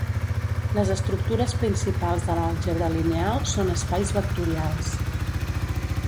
Les estructures principals de l'àlgebra lineal són espais vectorials.